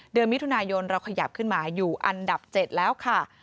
เดือนมิถุนายนเราขยับขึ้นมาอยู่อันดับ๗แล้วค่ะ